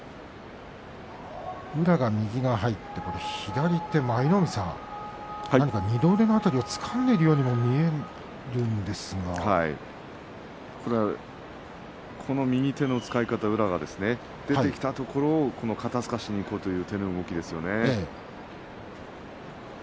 宇良が右が入って左で舞の海さん二の腕の辺りをつかんでこの右手の使い方宇良は、出てきたところを肩すかしにいこうという手の動きですよね。